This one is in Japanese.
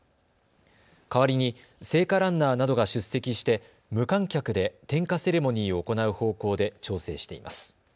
代わりに聖火ランナーなどが出席して無観客で点火セレモニーを行う方向で調整しています。